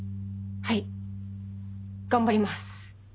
はい頑張ります。